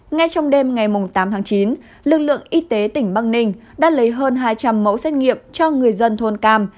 ngay trong đêm ngày tám tháng chín lực lượng y tế tỉnh bắc ninh đã lấy hơn hai trăm linh mẫu xét nghiệm cho người dân thôn cam